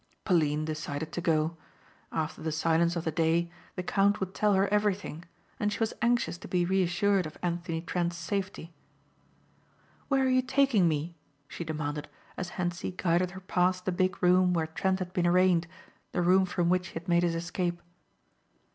Pauline decided to go. After the silence of the day the count would tell her everything, and she was anxious to be reassured of Anthony Trent's safety. "Where are you taking me?" she demanded as Hentzi guided her past the big room where Trent had been arraigned, the room from which he had made his escape.